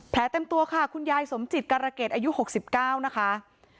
เต็มตัวค่ะคุณยายสมจิตการเกษอายุ๖๙นะคะ